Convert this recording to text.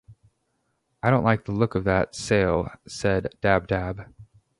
“I don’t like the look of that sail,” said Dab-Dab.